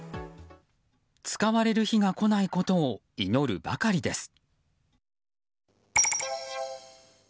使われる日が来ないことを祈るばかりです。